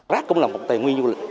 rác cũng là một tài nguyên du lịch